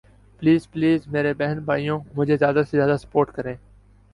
please please میرے بہن بھائیوں مجھے زیادہ سے زیادہ سپورٹ کریں